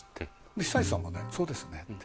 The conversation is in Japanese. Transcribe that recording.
久石さんはそうですねって。